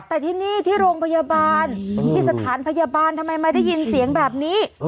แต่ที่นี่ที่โรงพยาบาลที่สถานพยาบาลทำไมมาได้ยินเสียงแบบนี้